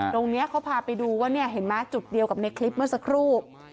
ตรงนี้เขาพาไปดูว่าเนี่ยเห็นไหมจุดเดียวกับในคลิปเมื่อสักครู่